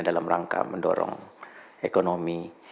dalam rangka mendorong ekonomi